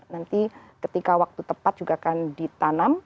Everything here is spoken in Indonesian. nanti ketika waktu tepat juga akan ditanam